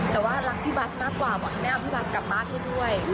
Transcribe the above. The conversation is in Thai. แต่ว่ารักพี่บัสมากกว่าบอกให้แม่เอาพี่บัสกลับบ้านให้ด้วย